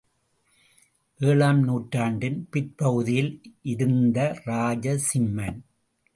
ஏழாம் நூற்றாண்டின் பிற்பகுதியில் இருந்த ராஜசிம்மன்.